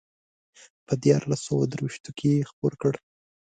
په دیارلس سوه درویشتو کې یې خپور کړ.